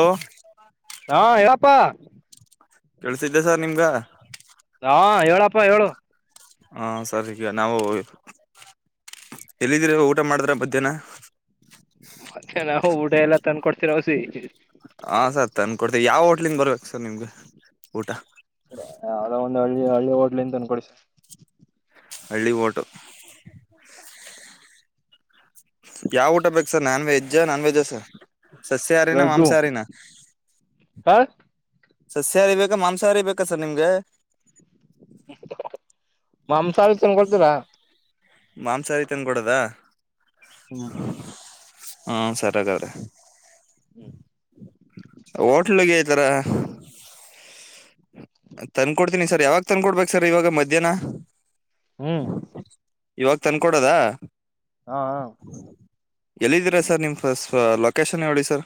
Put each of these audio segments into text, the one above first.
Hello ಹಾ ಹೇಳಪ್ಪಾ. ಕೇಳ್ಸಿದ್ದೆ ಸರ್ ನಿಮ್ಗ ಹಾ ಹೇಳಪ್ಪಾ ಹೇಳು. ಹಾ ಸರಿ ಈಗ ನಾವು ಎಲ್ಲಿದೀರ ಊಟ ಮಾಡದ್ರ ಮಧ್ಯಾಹ್ನ. ಮತ್ತೆ ನಾವ್ ಊಟ ಎಲ್ಲಾ ತಂದ್ ಕೋಡ್ತಿವ ವಸಿ. ಹಾ ಸರ್ ತಂದ್ ಕೊಡ್ತವಿ ಯಾವ್ ಹೋಟ್ಲಿಂದ್ ಬರೋದ್ ಸರ್ ನಿಮ್ಗ ಊಟ. ನ ಹಳ್ಳಿ ಹಳ್ಳಿ ಹೋಟ್ಲಿ ಅಂತ್ ತಂದ್ಕೊಡ್ಸಿ. ಹಳ್ಳಿ ವೋಟು. ಯಾವ್ ಊಟ ಬೇಕು ಸರ್ ನಾನ್ ವೆಜ್ಜ ನಾನ್ ವೆಜ್ಜ ಸರ್. ಸಸ್ಯಹಾರಿನ ವೆಗ್ಗು ಮಾಂಸಾಹಾರಿನ. ಹ ಸಸ್ಯಾಹಾರಿ ಬೇಕಾ ಮಾಂಸಾಹಾರಿ ಬೇಕಾ ಸರ್ ನಿಮ್ಗೆ. [unintelligible] ಮಾಂಸಹಾರಿ ತನ್ ಕೊಡ್ತೀರಾ. ಮಾಂಸಾಹಾರಿ ತನ್ ಕೊಡದ. ಹ್ಮ ಹ್ಮ ಸರಿ ಆಗದ್ರೆ. ಹ್ಮ್ ಹೋಟ್ಲುಗೆ ಈತರ. ತಂದ್ ಕೊಡ್ತೀನಿ ಸರ್ ಯಾವಾಗ್ ತಂದ್ಕೊಡ್ಬೇಕು ಸರ್ ಇವಾಗ ಮಧ್ಯಾಹ್ನ. ಹ್ಮ್ [unintelligible] ಇವಾಗ್ ತಂದ್ಕೊಡೋದ. ಹಾ ಹ. ಎಲ್ಲಿದ್ದೀರಾ ಸರ್ ನಿಮ್ ಫಸ್ ಫ ಲೊಕೇಶನ್ ಯೋಳಿ ಸರ್.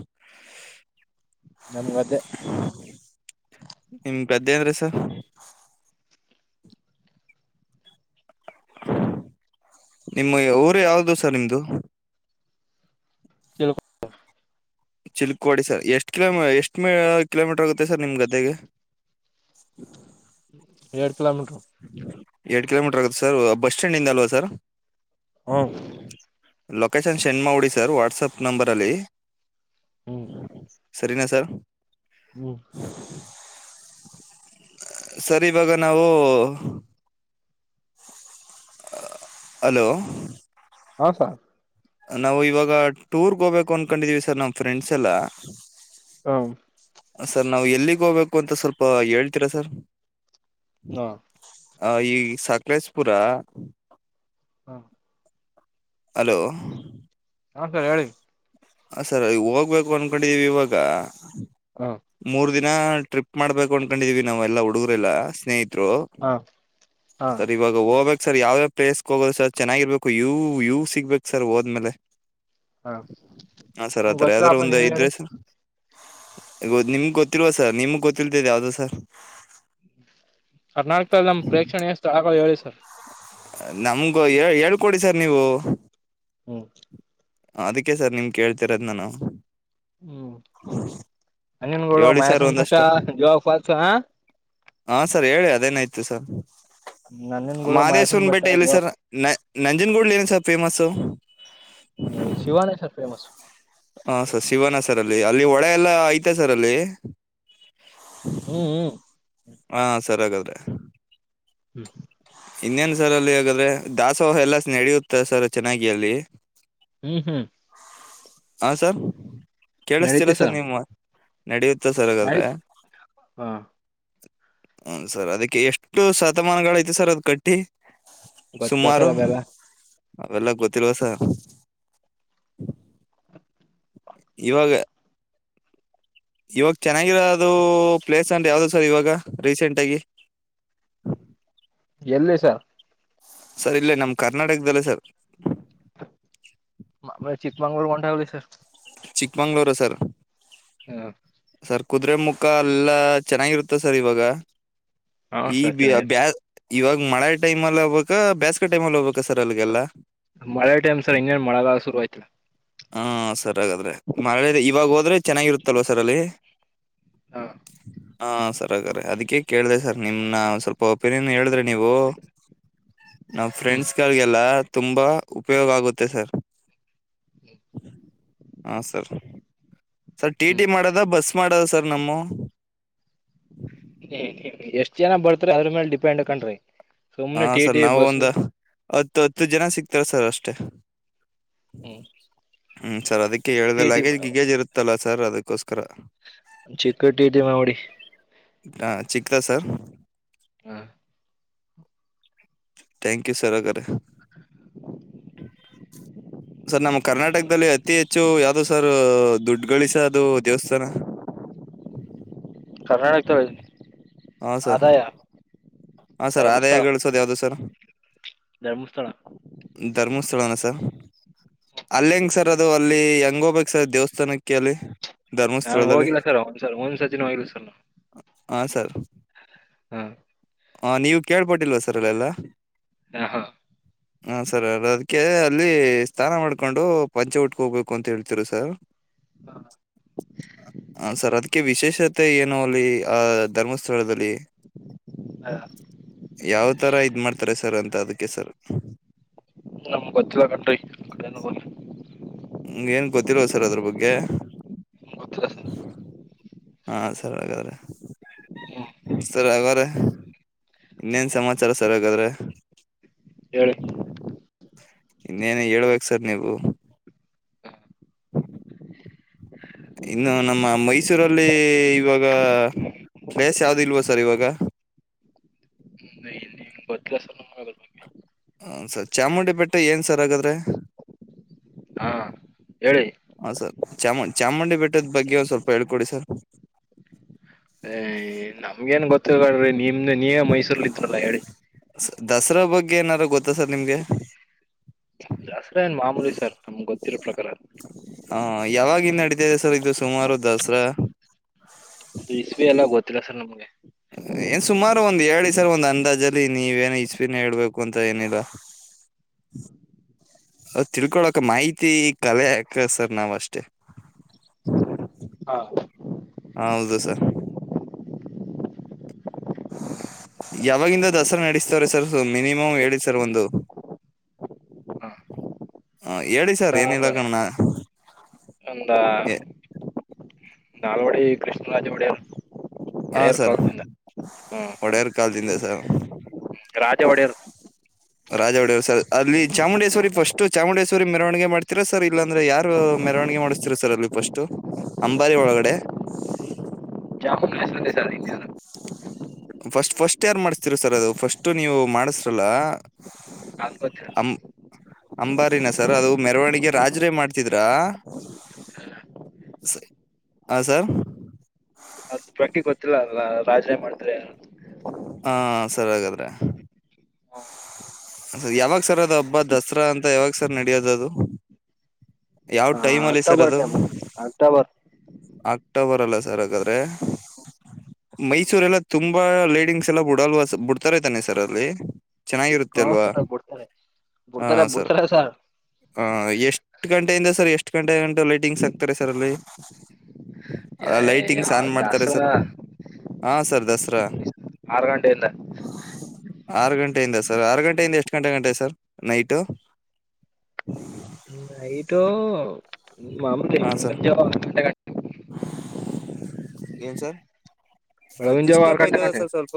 ನಮ್ಗದೆ. ದೆ ಅಂದ್ರೆ ಸರ್. ನಿಮ್ಮ್ ಇ ಊರು ಯಾವ್ದ್ ದು ಸರ್ ನಿಮ್ದು. ತಿಳ್ಕೊ ಚಿಲುಕ್ವಾಡಿ ಸರ್ ಎಷ್ಟು ಕಿಲೋ ಎಷ್ಟು ಮ ಕಿಲೋಮೀಟರ್ ಆಗುತ್ತೆ ಸರ್ ನಿಮ್ ಗದ್ದೆಗೆ. ಯಾಡ್ ಕಿಲೋಮೀಟ್ರು. ಎಡ್ ಕಿಲೋಮೀಟ್ರ್ ಆಗುತ್ತೆ ಸರ್ ಬಸ್ ಸ್ಟ್ಯಾಂಡ್ ಇಂದ ಅಲ್ವಾ ಸರ್. ಹ್ಮ ಲೊಕೇಶನ್ ಸೆಂಡ್ ಮಾಡ್ಬುಡಿ ಸರ್ ವಾಟ್ಸಪ್ ನಂಬರಲ್ಲಿ. ಹ್ಮ್ [unintelligible] ಸರಿನಾ ಸರ್. ಹ್ಮ್ ಸರ್ ಇವಾಗ ನಾವು. ಹ್ ಹು. [unintelligible] ಹಲೋ ಸಾ [unintelligible] ನಾವು ಇವಾಗ ಟೂರ್ಗೆ ಹೋಗ್ಬೇಕು ಅನ್ಕೊಂಡಿದೀವಿ ಸರ್ ನಮ್ಮ್ ಫ್ರೆಂಡ್ಸ್ ಎಲ್ಲ ಹ್ಮ್ ಸರ್ ನಾವು ಎಲ್ಲಿಗೆ ಹೋಗ್ಬೇಕು ಅಂತ ಸ್ವಲ್ಪ ಹೇಳ್ತೀರ ಸರ್ ಹಾ ಆ ಈ ಸಕಲೇಶ್ಪುರ ಹ್ಮ ಹಲೋ ಹಾ ಸರ್ ಹೇಳಿ ಹ ಸರ್ ಹೋಗ್ಬೇಕು ಅಂಡ್ಕಡೆವಿ ಇವಾಗ ಹ ಮೂರು ದಿನ್ ಹ ಹಾ ಟ್ರಿಪ್ ಮಾಡ್ಬೇಕು ಅನ್ಕೊಂಡಿದೀವಿ ನಾವು ಎಲ್ಲ ಹುಡುಗರೆ ಎಲ್ಲ ಸ್ನೇಹಿ ತ್ರು [unintelligible] ಹಾ ಹಾ ಸರಿ ಇವಾಗ ಹೋಬೆಕ್ ಸರ್ ಯಾವ್ಯಾವ ಪ್ಲೇಸ್ಗೆ ಹೋಗೋದು ಸರ್ ಚೆನ್ನಾಗಿರ್ಬೇಕು ಯೂ ಯೂ ಸಿಗ್ಬೇಕು ಸರ್ ಹೋದ್ಮೇಲೆ ಹಾ ಹಾ ಸರ್ ನಮ್ಗ್ ಆತರ ಯಾವ್ದಾರ ಗೊತ್ತಿಲ್ಲಪ್ಪ ಒಂದು ನೀವೆ ಹೇಳಿ ಇದ್ರೆ [unintelligible] ಗ [unintelligible] ನಿಮ್ಗೆ ಗೊತ್ತಿಲ್ವಾ ಸರ್ ನಿಮ್ ಗೊತ್ತಿಲ್ತೇದೆ ಯಾವ್ದ ಸರ್ ಕರ್ನಾಟಕ್ದಲ್ಲಿ ನಮ್ ಪ್ರೇಕ್ಷಣೆ ಸ್ಥಳಗಲ್ ಹೇಳಿ ಹ್ಮ ನಮ್ಗು ಹೇ ಹೇಳ್ಕೊಡಿ ಸರ್ ನೀವು ಹ್ಮ್ ಅದಕ್ಕೆ ಸರ್ ನಿಮ್ ಕೇಳ್ತಿರೋದ ನಾನು ಹ್ಮ್ ನಂಜನಗೂಡು ಹೇಳಿ ಸರ್ ಮಹೇಶ್ವರನ್ [unintelligible] ಬೆಟ್ಟ ಒಂದಷ್ಟು ಜೋಗ್ ಪಾಲ್ಸ್ ಹಾ ಹಾಂ ಸರ್ ಹೇಳಿ ಅದೇನಾಯ್ತು ಸರ್ ನಂಜನಗೂಡು ಮಾಯಸನ ಮಾದೇಶ್ವರನ್ ಬೆಟ್ಟ ಬೆಟ್ಟೆ ಎಲ್ಲಿ ಜೋಗ ಸರ್ ನ ನಂಜನ್ಗೂಡ್ಲಿ [unintelligible] ಹೇಳಿ ಸರ್ ಫೇಮಸು ಹ್ಮ ಶಿವಾನೇಶ್ವರ್ [unintelligible] ಫೇಮಸ್ ಹಾ ಸರ್ ಶಿವನ [unintelligible] ಸರ್ ಅಲ್ಲಿ- ಅಲ್ಲಿ ಒಳ ಎಲ್ಲ ಐತೆ ಸರ್ ಅಲ್ಲಿ ಹ್ಮ್ -ಹ್ಮ್ ಹಾ ಸರಿ ಆಗಾದ [unintelligible] ಹ್ಮ್ ಇನ್ನೇನ್ ಸರ್ ಅಲ್ಲಿ ಆಗದ್ರೆ ದಾಸೋಹ [unintelligible] ಎಲ್ಲಾ ನಡೆಯುತ್ತೆ ಸರ್ ಚೆನ್ನಾಗಿ ಅಲ್ಲಿ ಹ್ಮ್ ಹ್ಮ್ ಹಾ ಸರ್ ಕೇಳಿಸತಿಲ್ಲ ಸರ್ ನಿಮ್ಮ ವ ನಡೆಯುತ್ [unintelligible] ನಡಿ ಆಗದ್ರೆ ಹಾ ಹುನ್ ಸರ್ ಅದಕ್ಕೆ ಎಷ್ಟು ಶತಮಾನಗಳೈತೆ ಸರ್ ಅದ್ ಕಟ್ಟಿ ಗೊತ್ತಿಲ್ಲ ಸುಮಾರು ಸರ್ ಅವೆಲ್ಲ ಅವೆಲ್ಲ ಗೊತ್ತಿಲ್ವ ಸರ್ ಇವಾಗ ಇವಾಗ ಚೆನ್ನಾಗಿರೋದು ಪ್ಲೇಸ್ ಅಂದ್ರೆ ಯಾವ್ದ ಸರ್ ಇವಾಗ ರೀಸೆಂಟ್ ಆಗಿ ಎಲ್ಲಿ ಸರ್ ಸರ್ ಇಲ್ಲೇ ನಮ್ ಕರ್ನಾಟಕದಲ್ಲಿ [unintelligible] ಸರ್ [unintelligible] ಮಾ ಚಿಕ್ಕ ಮಂಗಳೂರು ಹೊರಟೋಗ್ರಿ ಸರ್ ಚಿಕ್ಕಮಂಗ್ಳೂರು ಸರ್ ಹ್ಮ ಸರ್ ಕುದುರೆ ಮುಖ ಎಲ್ಲ ಚೆನ್ನಾಗಿರುತ್ತೆ ಸರ್ ಇವಾಗ ಹಾ ಈ ಸರ್ ಬಿ ಚೆನ್ನಾಗಿ [unintelligible] ಇವಾಗ ಮಳೆ ಟೈಮೆಲ್ಲಿ ಹೋಗ್ಬೇಕಾ ಬೇಸ್ಕ ಟೈಮ ಅಲ್ಲ ಹೋಗ್ಬೇಕ್ ಮಳೆ ಟೈಮ್ ಸರ್ ಹಂಗೇ [unintelligible] ಮಳೆಗಾಲ ಶುರು ಆಯ್ತು ಹಾ [unintelligible] ಇವಾಗ ಹೋದ್ರೆ ಚೆನ್ನಾಗಿರುತ್ತಲ್ವಾ ಸರ್ ಅಲ್ಲಿ ಹಾ ಹಾ ಸರ್ [unintelligible] ಅದಕ್ಕೆ ಕೇಳ್ದೆ ಸರ್ ನಿಮ್ನ ಸ್ವಲ್ಪ ಒಪಿನಿಯನ್ ಹೇಳಿದ್ರೆ ನೀವು ನಾವ್ ಹ್ಮ್ ಫ್ರೆಂಡ್ಸ್ ಗಳಿಗೆಲ್ಲ ತುಂಬಾ ಉಪಯೋಗ ಆಗುತ್ತೆ ಸರ್ ಹ ಹಾ ಸರ್ ಸರ್ ಟಿ ಟಿ ಹ್ಮ್ ಮಾಡೋದ ಬಸ್ ಮಾಡದು [unintelligible] ಸರ್ ನಮ್ಮ [unintelligible] ಎಷ್ಟ್ ಜನ ಬರ್ತರಿ ಅದ್ರ ಮೇಲೆ ಡಿಪೆಂಡ್ ಕಣ್ರಿ ಹಾ ಸುಮ್ನೆ ಟಿ ಸರ್ ಟಿ ನಾವು ಒಂದ ಬಸ್ಸು ಹತ್ತು ಹತ್ತು ಜನ ಸಿಕ್ತಾರ ಸರ್ ಅಷ್ಟೆ ಹ್ಮ್ ಹ್ಮ್ ಸರ್ ಅದಕ್ಕ್ ಟಿ [unintelligible] ಟಿ ಲಗೇಜ್ ಗಿಗೇಜ್ ಇರುತ್ತಲ್ಲ ಸರ್ ಅದಕ್ ಕೋಸ್ಕರ [unintelligible] ಚಿಕ್ಕ ಟಿ ಟಿ ಮಾಡ್ಬಿಡಿ ಹಾ ಚಿಕ್ಕದ ಸರ್ ಹ ಥ್ಯಾಂಕ್ ಯು ಸರ್ ಅಗರೆ [unintelligible] ಸರ್ ನಮ್ಮ ಕರ್ನಾಟಕದಲ್ಲಿ ಅತಿ ಹೆಚ್ಚು ಯಾವ್ದು ಸರ್ ದುಡ್ ಗಳಿಸ ಅದು ದೇವಸ್ಥಾನ ಕರ್ನಾಟಕ [unintelligible] ಹಾ ಸರ್ ಹಾ ಸರ್ ಆದಾಯ ಧರ್ಮಸ್ಥಳ ಗಳಿಸೋದ ಯಾವ್ದು ಸರ್ ಧರ್ಮಸ್ಥಳ ಧರ್ಮಸ್ಥಳನ ಸರ್ ಅಲ್ಲ ಹೆಂಗ ಸರ್ ಅದು ಅಲ್ಲಿ ಹೆಂಗೋಬೇಕ ಸರ್ ದೇವಸ್ಥಾನಕ್ಕೆ ಅಲ್ಲಿ ನಾನ್ ಧರ್ಮಸ್ಥಳದಲ್ಲಿ ಹೋಗಿಲ್ಲ ಸರ್ ಒಂದ್ ಸಲ ಒಂದ್ ಸತಿನು ಹೋಗಿಲ್ಲ ಸರ್ [unintelligible] ಹಾ ಸರ್ ಹ್ಮ್ ಹ ನೀವು ಕೇಳ್ಪಟ್ಟಿಲ್ವಾ ಸರ್ ಅವೆಲ್ಲ ಹಾ ಹ [unintelligible] ಹ ಸರ್ ಅದಕ್ಕೆ ಅಲ್ಲಿ ಸ್ನಾನ ಮಾಡ್ಕೊಂಡು ಪಂಚ ಉಟ್ಕ ಹೋಗ್ಬೇಕು ಅಂತ ಹೇಳ್ತಿರು ಸರ್ ಹ [unintelligible] ಸರ್ ಅದಕ್ಕೆ ವಿಶೇಷ [unintelligible] ತೆ ಏನೋ ಅಲ್ಲಿ ಆ ಧರ್ಮಸ್ಥಳದಲ್ಲಿ ಯಾವ್ ತರ ಇದ್ ಮಾಡ್ತಾರೆ ಸರ್ ಅಂತ ಅದಕ್ಕ [unintelligible] ಓಕೆ ಸರ್ ನಮ್ ಗೊತ್ತಿಲ್ಲ ಕಂಡ್ರಿ ಅದೆನೋ ಹೋಗ್ರಿ [unintelligible] [unintelligible] ಏನ್ ಗೊತ್ತಿಲ್ವ ಸರ್ ಅದ್ರ ಬಗ್ಗೆ ನಿಮ್ಗ್ ಗೊತ್ತಿಲ್ಲ ಹಾ ಸರಿ ಹಾಗಾದ್ರೆ ಹ್ಮ ಸರ್ [unintelligible] ಇನ್ನೇನ್ ಸಮಾಚಾರ ಸರ್ ಹಾಗಾದ್ರೆ ಹೇಳಿ ಇನ್ನೇನು ಹೇಳ್ಬೇಕ ಸರ್ ನೀವು ಇನ್ನು ನಮ್ಮ ಮೈಸೂರಲ್ಲಿ ಇವಾಗ ಪ್ಲೇಸ್ ಯಾವ್ದು ಇಲ್ವಾ ಸರ್ ಇವಾಗ [unintelligible] ಹ ಸರ್ ಚಾಮುಂಡಿ ಬೆಟ್ಟೆ ಏನ್ ಸರ್ ಹಾಗಾದ್ರೆ ಹಾ ಹೇಳಿ ಹಾಂ ಸರ್ ಚಾಮು ಚಾಮುಂಡಿ ಬೆಟ್ಟದ ಬಗ್ಗೆ ಒಂದು ಸ್ವಲ್ಪ ಹೇಳ್ಕೊಡಿ ಸರ್ ನಮ್ಗ ನ್ ಗೊತ್ತಿ [unintelligible] ನೀ [unintelligible] ಹೇಳಿ ಸ- ದಸರಾ ಬಗ್ಗೆ ಏನಾರು [unintelligible] ಗೊತ್ತಾ ಸರ್ ನಿಮ್ಗೆ ದಸರ ಏನ್ ಮಾಮೂಲಿ ಸರ್ ನಮ್ಗೆ ಗೊತ್ತಿರೋ ಪ್ರಕಾರ ಹಾ ಯಾವಾಗಿಂದ ನಡತ ಇದೆ ಸರ್ ಇದು ಸುಮಾರು ದಸರಾ ಅದು ಇಸ್ವಿ ಎಲ್ಲ ಗೊತ್ತಿಲ್ಲ ಸರ್ ನಮ್ಗೆ ಏನ್ ಸುಮಾರು ಒಂದ್ ಹೇಳಿ ಸರ್ ಒಂದ್ ಅಂದಾಜಲ್ಲಿ ನೀವೇನು ಇಸ್ವಿನ ಹೇಳ್ಬೇಕು ಅಂತ ಏನಿಲ್ಲ [unintelligible] ತಿಳ್ಕೊಳಕ ಮಾಹಿತಿ ಕಲೆ ಯಾಕ ಸರ್ ನಾವ ಅಷ್ಟೇ ಹಾ ಹ ಹೌದು ಸರ್ ಯಾವಾಗಿಂದ ದಸರಾ ನಡೆಸ್ತವ್ರ ಸರ್ ಮಿನಿಮಮ್ ಹೇಳಿ ಸರ್ ಒಂದು ಹಾ ಹ ಹೇಳಿ ಸರ್ ಏನಿಲ್ಲ ಕಣ್ಣ [unintelligible] [unintelligible] ನಾಳ್ವಡಿ ಕೃಷ್ಣರಾಜ ಹೊಡೆಯುರ್ ಹೊಡೆಯವರ್ ಕಂದ ಹ್ಮ ಚಾರ್ಜ್ ಇಲ್ಲ ಸರ್ ರಾಜ ಒಡೆಯರು ರಾಜ ಒಡೆಯವರು ಸರ್ ಅಲ್ಲಿ ಚಾಮುಂಡೇಶ್ವರಿ ಫಸ್ಟು ಚಾಮುಂಡೇಶ್ವರಿ ಮೆರವಣಿಗೆ ಮಾಡ್ತೀರಾ ಸರ್ ಇಲ್ಲಾಂದ್ರೆ ಯಾರು ಮೆರವಣಿಗೆ ಮಾಡಿಸ್ತಿರಾ ಸರ್ ಅಲ್ಲಿ ಫಸ್ಟ್ಟ್ ಅಂಬಾರಿ ಒಳಗಡೆ ಜಾಮೂನ್ ಹೆಸರಿದೆ ಸರ್ ಇನ್ಯಾರು ಫಸ್ಟ್ ಫಸ್ಟ್ ಯಾರ್ ಮಾಡಿಸುತ್ತೀರಾ ಸರ್ ಅದು ಫಸ್ಟ್ ನೀವು ಮಾಡಿಸ್ರಲ್ಲ ನಾಲ್ಕ್ ಕ್ಕೆ ಅಂ ಅಂಬಾರಿನ ಸರ್ ಅದು ಮೆರವಣಿಗೆ ರಾಜ್ರೇ ಮಾಡ್ತಿದ್ರಾ ಹ ಸರ್ ಗೆ ಗೊತ್ತಿಲ್ಲ ಅಲ್ಲ ರಾಜನೇ ಮಾಡಿದ್ರೆ ಹಾ ಸರಿ ಹಾಗಾದ್ರೆ ಯಾವಾಗ ಸರ್ ಅದು ಹಬ್ಬ ದಸರಾ ಅಂತ ಯಾವಾಗ ಸರ್ ನಡಿಯೋದ ಅದು ಯಾವ ಹ ಟೈಮಲ್ಲಿ ಸರ್ ಅಕ್ಟೋಬರ್ ಟೈಮ್ ಅದು ಅಕ್ಟೋಬರ್ ಅಕ್ಟೋಬರ್ ಅಲ್ಲ ಸರ್ ಹಾಗಾದ್ರೆ ಮೈಸೂರ್ ಎಲ್ಲ ತುಂಬಾ ಲೇಡಿಂಗ್ಗ್ಸ್ ಎಲ್ಲ ಬಿಡಲ್ ಬಿಡ್ತಾರಐತಾನೆ ಸರ್ ಅಲ್ಲಿ ಚೆನ್ನಾಗಿರುತ್ತೆ ಹಾ ಅಲ್ವಾ ಸರ್ ಕೊಡ್ತಾರೆ ಹಾ ಬಿಡ್ತಾರೆ ಸರ್ ಬಿಡ್ತಾರೆ ಸಾರ್ ಎಷ್ಟು ಗಂಟೆಯಿಂದ ಸರ್ ಎಷ್ಟು ಗಂಟೆಗಂಟ ಲೈಟಿಂಗ್ ಹಕ್ತಾರೆ ಸರ್ ಅಲ್ಲಿ ಲೈಟ್ ಟಿಂಗ್ನ್ ಯಾವ ಆನ್ ಮಾಡ್ತಾರೆ ದಾಸರ ಸರ್ ಹಾ ಸರ್ ದಸರಾ ಆರು ಗಂಟೆಯಿಂದ ಆರು ಗಂಟೆ ಗೆ ಯಿಂದ ಆರು ಗಂಟೆಯಿಂದ ಎಷ್ಟು ಗಂಟೆ ಗಂಟ ಸರ್ ನೈಟ್ ಆಯಿತು ಹ್ಮ ಮಾಮಂದ ಹಾ ಸರ್ [unintelligible] ಹ [inaudible] ಏನ್ ಸರ್ ಬೆಳಗಿನ ಜಾವ ಆರು ಡಿಸ್ಟರ್ಬ್ ಗಂಟೆ ಆಯ್ತದೆ ಗಂಟೆ ಸ ಸ್ವಲ್ಪ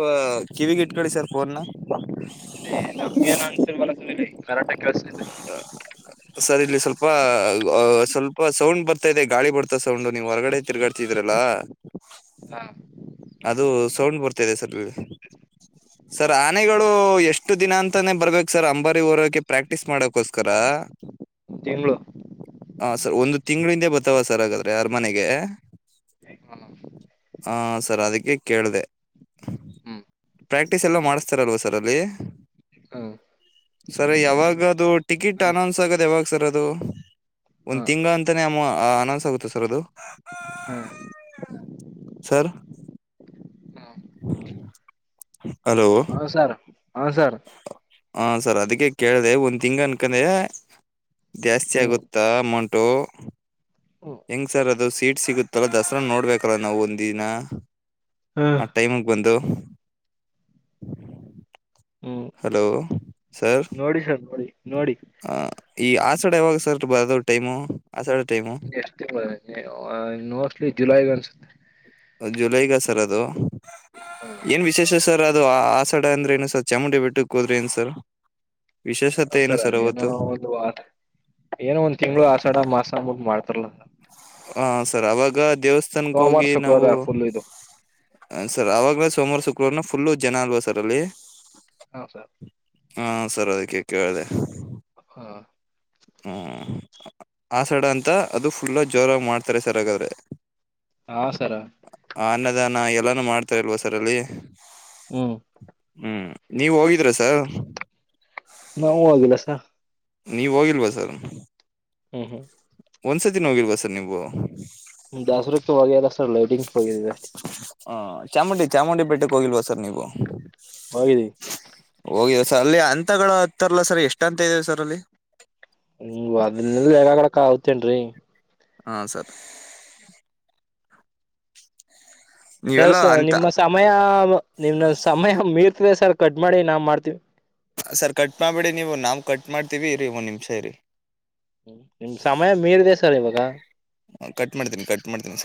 ಕಿವಿಗೆ ಇಟ್ಕೊಳ್ಳಿ ಸರ್ ಫೋನ್ ನಮಗೇನು ಅನ್ನಿಸುತ್ತಿಲ್ಲಾಲ್ಪ ಸರ್ ಕರಾಟೆ ಕೇಳಿಸುತ್ತೆ ಸರ್ ಇಲ್ಲಿ ಸ್ವಲ್ಪ ಸ್ವಲ್ಪ ಸೌಂಡ್ ಬರ್ತಾ ಇದೆ ಗಾಳಿ ಬರ್ತಾ ಸೌಂಡ್ ನೀವ್ ಹೊರಗಡೆ ತಿರ್ಗಾಡ್ತಿದ್ರಲ್ಲ ಹಾ ಅದು ಸೌಂಡ್ ಬರ್ತದೆ ಸರ್ ಹಾ ಸರ್ ಆನೆಗಳು ಎಷ್ಟು ದಿನ ಅಂತಾನೇ ಬರರ್ಬೇಕು ಸರ್ ಅಂಬಾರಿ ಹೋರೋಕೆ ಪ್ರಾಕ್ಟೀಸ್ ಮಾಡಕೋಸ್ಕರ ಬೆಂಗಳೂರು [unintelligible] ಹ ಸರ್ ಒಂದು ತಿಂಗಳ ಹಿಂದೆ ಬರ್ತಾವ ಸರ್ ಹಾಗಾದ್ರೆ ಅರಮನೆಗೆ ಹ ಸರ್ ಅದಕ್ಕೆ ಕೇಳಿದೆ ಹ್ಮ್ ಪ್ರ್ಯಾಕ್ಟೀಸ್ ಎಲ್ಲ ಮಾಡಿಸ್ತಾರಲ್ವಾ ಸರ್ ಅಲ್ಲಿ ಹ್ಮ್ ಸರ್ ಯಾವಾಗದು ಟಿಕೆಟ್ ಹ ಅನೌನ್ಸ್ ಆಗೋದು ಯಾವಾಗ ಸರ್ ಅದು ಒಂದು ಹ ತಿಂಗಳ್ ಅಂತಾನೇ ಅ ಅನೌನ್ಸ್ ಆಗುತ್ತೆ ಸರ್ ಅದು ಸರ್ ಹ ಹ್ಮ ಹ ಸರ್ ಹ ಸರ್ ಹಾ ಸರ್ ಅದಕ್ಕೆ ಕೇಳಿದೆ ಒಂದು ತಿಂಗ್ ಅನ್ಕಂದ್ರೆ ಜಾಸ್ತಿ ಹ್ಮ್ ಆಗುತ್ತಾ ಅಮೌಂಟು ಹೆಂಗ್ ಸರ್ ಅದು ಸೀಟ್ ಸಿಗುತ್ತಲ್ಲ ದಸರಾ ನೋಡ್ಬೇಕಲ ನಾವು ಒಂದಿನ ಹ್ಮ್ ಆ ಟೈಮಗೆ ಬಂದು ಹ್ಮ್ ಹಲೋ ಸರ್ ನೋಡಿ ಸರ್ ನೋಡಿ ನೋಡಿ ಹ ಈ ಆಸಾಡ ಯಾವಾಗ ಸರ್ ಬರದು ಟೈಮು ಆಸಡ ಟೈಮು ಎಷ್ಟು ತಿಂಗಳು ಮೋಸ್ಟ್ಲಿ ಜುಲೈಗೆ ಅನ್ಸುತ್ತೆ ಜುಲೈಗ ಸರ್ ಅದು ಏನ್ ವಿಶೇಷ ಸರ್ ಅದು ಆಸಡ ಅಂದ್ರೆ ನು ಸರ್ ಚಾಮುಂಡಿ ಬೆಟ್ಟಕ್ಕೆ ಹೋದ್ರೆ ಏನ್ ಸರ್ ವಿಶೇಷತೆ ಏನು ಸರಿ ಸರ್ ಅಲ್ಲ ಏನೋ ಅವತ್ತು ಒಂದು ಏನೋ ಒಂದ್ ತಿಂಗಗಳು ಆಸಾಡ ಮಾಸ ಅಂಬಗ್ ಮಾಡ್ತಾರಲ್ಲ ಹ ಸರ್ ಅವಾಗ ದೇವಸ್ಥಾನಕ್ಕೆ ಸಮಾರ ಶುಕವಾರ ಆಫುದು ಹ ಸರ್ ಅವವಾಗಲೇ ಸೋಮವಾರ ಶುಕ್ರವಾರನ ಫುಲ್ಲು ಜನ ಅಲ್ವಾ ಸರ್ ಅಲ್ಲಿ ಹಾ ಸರ್ ಹಾ ಸರ್ ಅದಕ್ಕೆ ಕೇಳಿದೆ ಹ ಹ ಆಸಡ ಅಂತ ಅದು ಫುಲ್ಲ ಜೋರಾಗಿ ಮಾಡ್ತಾರೆ ಸರ್ಗಾದ್ರೆ ಹಾ ಸರಾ ಅ ನಾ ಎಲ್ಲಾನು ಮಾಡ್ತಾರೆಲ್ವಾ ಸರಲ್ಲಿ ಹ್ಮ್ ಹ್ಮ್ ನೀವ ಹೋಗಿದ್ರ ಸರ್ ನಾವು ಹೋಗಿಲ್ ಸರ್ ನೀವ ಹೋಗಿಲ್ವಾ ಸರ್ ಹ್ಮ್ ಹ್ಮ ಒಂದ್ಸತಿಿನ ಹೋಗಿಲ್ವಾ ಸರ್ ನೀವು ದಾಸರಕ್ ವಲ್ಲ ಸರ್ ಲೈಟಿಂಗ್ ವ ಆ, ಚಾಮುಂಡಿ -ಚಾಮುಂಡಿ ಬೆಟ್ಟೆಗೆ ಹೋಗಿಲ್ವಾ ಸರ್ ನೀವು ಹೋಗಿದಿನ್ ಹೋಗಿಲ್ಲ ಸರ್ ಅಲ್ಲಿ ಅಂತಗಳು ಹತ್ತಾರಲ್ಲ ಸರ್ ಎಷ್ಟು ಅಂತ ಇದೀವಿ ಸರ್ ಅಲ್ಲಿ ಹ ಅದನ್ನಲ್ಲ ಯೇಗ ಕಡಕ ಆತೇನ್ರೀ ಹಾ ಸರ್ ಸರ್ ನೀವೆಲ್ಲ ಅಂತ ನಿಮ್ಮ ಸಮಯ ನಿಮ್ ಸಮಯ ಮೀರ್ ಸರ್ ಕಡ್ ಮಾಡಿ ನಾ್ ಮಾಡ್ತೀವಿ ಸರ್ ಕಟ್ ಮಾಡಬೇಡಿ ನೀವು ನಾಮ ಕಟ್ ಮಾಡ್ತೀವಿ ಇ ರೀ ಒಂದ್ ನಿಮಿಷ ಇ ರರಿ ಹ್ಮ ನಿಮ್ ಸಮಯ ಮೀರಿದೆ ಸರ್ ಇವಾಗ ಕಟ್ ಮಾಡ್ತೀನಿ ಕಟ್ ಮಾಡ್ತೀನಿ ಸರ್